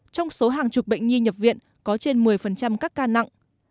trong số hàng chục bệnh nhi nhập viện có trên một mươi các ca nặng